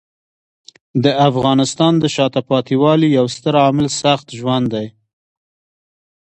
د افغانستان د شاته پاتې والي یو ستر عامل سخت ژوند دی.